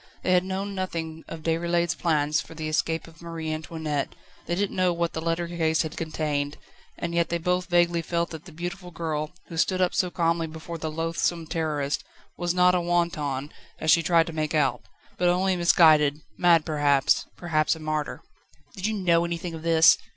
They had known nothing of Déroulède's plans for the escape of Marie Antoinette, they didn't know what the letter case had contained, and yet they both vaguely felt that the beautiful girl, who stood up so calmly before the loathsome Terrorist, was not a wanton, as she tried to make out, but only misguided, mad perhaps perhaps a martyr. "Did you know anything of this?"